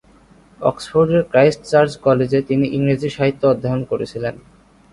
অক্সফোর্ডের Christ Church কলেজে তিনি ইংরেজি সাহিত্য অধ্যয়ন করেছিলেন।